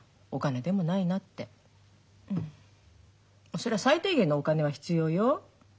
そりゃ最低限のお金は必要よ。